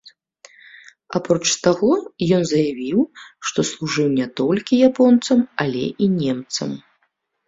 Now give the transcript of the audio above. Апроч таго, ён заявіў, што служыў не толькі японцам, але і немцам.